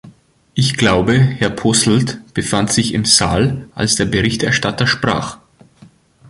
Ich glaube, Herr Posselt befand sich im Saal, als der Berichterstatter sprach.